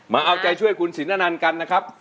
มาเอาใจช่วยคุณสินอนันต์กันนะครับ